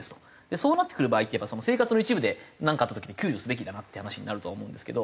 そうなってくる場合ってやっぱりその生活の一部でなんかあった時に救助すべきだなって話になると思うんですけど。